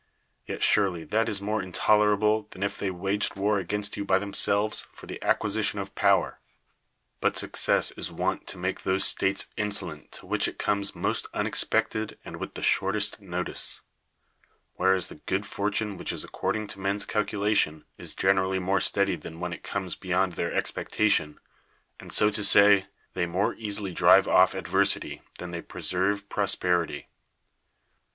Yet surely that is more intolerahle than if they waged war against you by thi inselves J'or the acfpiisition of iH)\v('r. But success is wont to niake those states inso THE WORLD'S FAMOUS ORATIONS lent to which it comes most unexpected and with the shortest notice; whereas the good fortune which is according to men's calculation is gen erally more steady than when it comes beyond their expectation ; and, so to say, they more easily drive off adversity than they preserve prosperity.